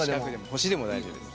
星でも大丈夫です。